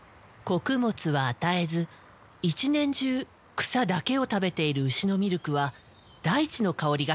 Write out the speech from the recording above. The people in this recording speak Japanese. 穀物は与えず１年中草だけを食べている牛のミルクは大地の香りがするそうだ。